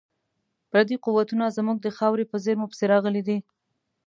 پردي قوتونه زموږ د خاورې په زیرمو پسې راغلي دي.